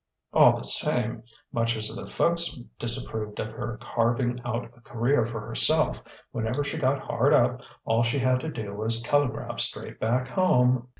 All the same, much as the folks disapproved of her carving out a career for herself, whenever she got hard up all she had to do was telegraph straight back home....